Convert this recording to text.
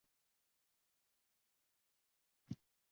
Bir kilogramm paxta terish uchun ming soʻmdan ziyod pul toʻlanmoqda.